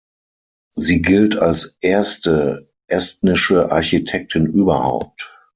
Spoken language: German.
Sie gilt als erste estnische Architektin überhaupt.